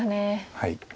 はい。